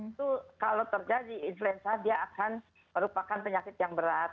itu kalau terjadi influenza dia akan merupakan penyakit yang berat